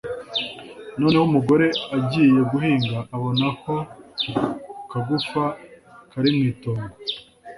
Noneho umugore agiye guhinga abona ka kagufa kari mu itongo